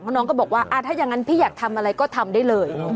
เพราะน้องก็บอกว่าอ่าถ้ายังงั้นพี่อยากทำอะไรก็ทำได้เลย